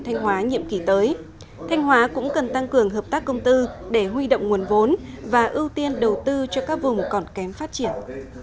đồng chí phạm minh chính lưu ý tỉnh thanh hóa cũng cần tăng cường hợp tác công tư để huy động nguồn vốn và ưu tiên đầu tư cho các vùng còn kém phát triển